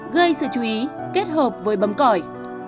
gây sự chú ý kết hợp với bấm còi